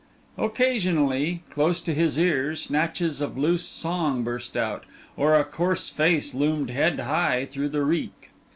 Occasionally, close to his ear, snatches of loose song burst out, or a coarse face loomed head high through the reek.